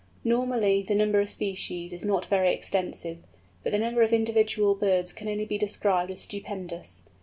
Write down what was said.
Normally the number of species is not very extensive, but the number of individual birds can only be described as stupendous.